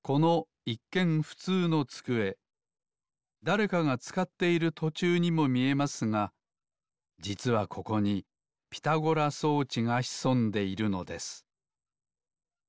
だれかがつかっているとちゅうにもみえますがじつはここにピタゴラ装置がひそんでいるのです